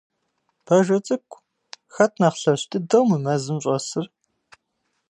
Бажэ цӀыкӀу, хэт нэхъ лъэщ дыдэу мы мэзым щӀэсыр?